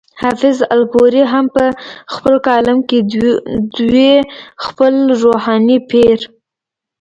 حافظ الپورۍ هم پۀ خپل کالم کې دوي خپل روحاني پير